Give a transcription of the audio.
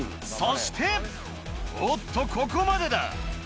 そしておっとここまでだ！